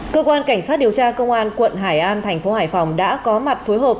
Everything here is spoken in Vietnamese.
cơ quan cảnh sát điều tra công an quận hải an thành phố hải phòng đã có mặt phối hợp